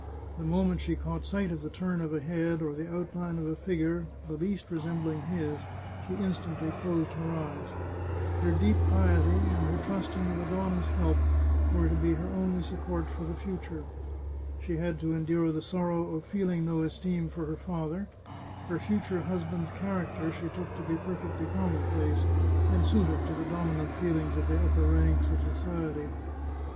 The moment she caught sight of the turn of a head or the outline of a figure the least re sembling his, she instantly closed her eyes. Her deep piety, and her trust in the Madonna's help, were to be her only 486 The Chartreuse of Parma support for the future. She had to endure the sorrow of feeling no esteem for her father ; her future husband's char acter she took to be perfectly commonplace, and suited to the dominant feelings of the upper ranks of society.